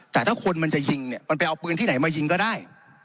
แต่ถ้าคนมันจะยิงเนี่ยมันไปเอาปืนที่ไหนมายิงก็ได้